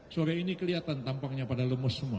sore ini kelihatan tampaknya pada lemus semua